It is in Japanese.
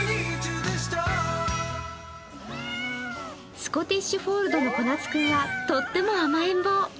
スコティッシュホールドのこなつくんはとっても甘えん坊。